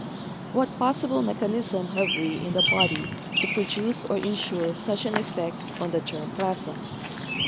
What possible mechanism have we in the body to produce or insure such an effect on the germ plasm?